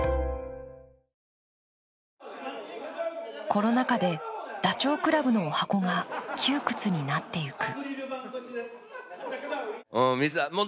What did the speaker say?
コロナ禍でダチョウ倶楽部のおはこが窮屈になっていく。